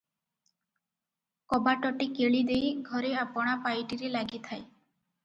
କବାଟଟି କିଳିଦେଇ ଘରେ ଆପଣା ପାଇଟିରେ ଲାଗିଥାଏ ।